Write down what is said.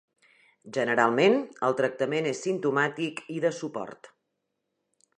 Generalment, el tractament és simptomàtic i de suport.